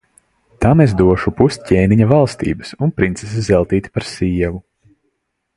Tam es došu pus ķēniņa valstības un princesi Zeltīti par sievu.